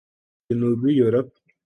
جنوبی یورپ